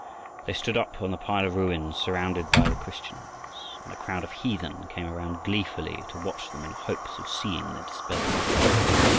They stood up on the pile of ruins, surrounded by the Christians, and a crowd of heathen came around gleefully to watch them in the hopes of seeing their despair.